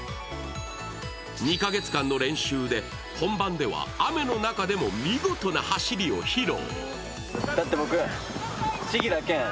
２か月間の練習で本番では雨の中でも見事な走りを披露。